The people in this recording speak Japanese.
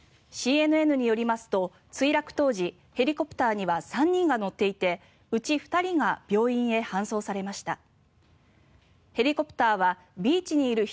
ＣＮＮによりますと、墜落当時ヘリコプターには３人が乗っていてうち２人が病院へ搬送されました。